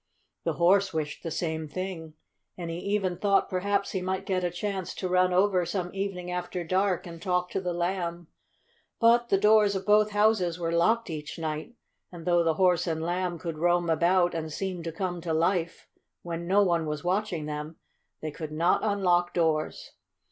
The Horse wished the same thing, and he even thought perhaps he might get a chance to run over some evening after dark and talk to the Lamb. But the doors of both houses were locked each night, and though the Horse and Lamb could roam about and seem to come to life when no one was watching them, they could not unlock doors.